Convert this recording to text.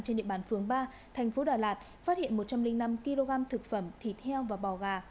trên địa bàn phường ba thành phố đà lạt phát hiện một trăm linh năm kg thực phẩm thịt heo và bò gà